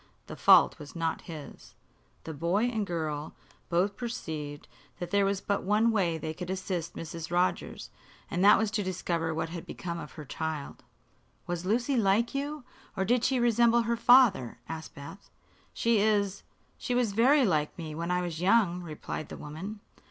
The fault was not his. The boy and the girl both perceived that there was but one way they could assist Mrs. Rogers, and that was to discover what had become of her child. "Was Lucy like you, or did she resemble her father?" asked Beth. "She is she was very like me when I was young," replied the woman.